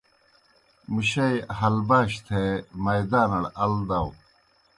مُشَئی ہلباش تھے مائداݨَڑ ال داؤ۔